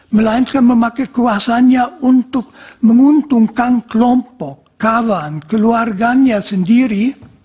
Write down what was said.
melainkan memakai kuasanya untuk menguntungkan kelompok kawan keluarganya sendiri